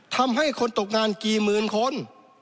ทำให้คนตกงานกี่หมื่นคน